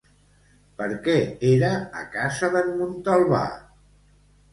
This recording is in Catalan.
Per què era a casa d'en Montalvà?